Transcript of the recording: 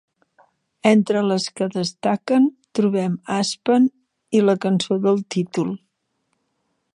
Entre les que destaquen, trobem "Aspen" i la cançó del títol.